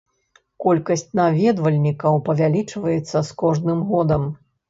Колькасць наведвальнікаў павялічваецца з кожным годам.